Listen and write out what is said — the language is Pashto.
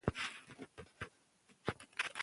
هغه د شپې ټیلیفون نه ګوري.